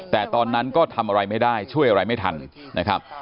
แต่ตอนนั้นก็ทำอะไรไม่ได้ช่วยอะไรไม่ทันนะครับ